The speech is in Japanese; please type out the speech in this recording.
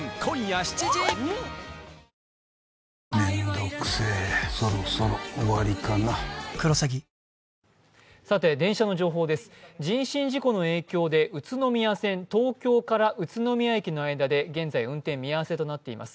ピンポーン人身事故の影響で宇都宮線、東京から宇都宮駅の間で現在運転見合わせとなっています。